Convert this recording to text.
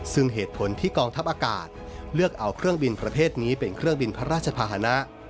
ซึ่งเหตุผลที่กองทัพอากาศเลือกเอาเครื่องบินประเภทนี้เป็นเครื่องบินพระราชภาษณะ